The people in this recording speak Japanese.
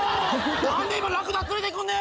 何で今ラクダ連れてくんねん！